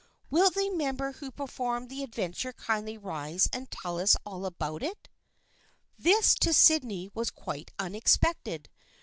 Will the member who performed the adventure kindly rise and tell us all about it ?" This to Sydney was quite unexpected.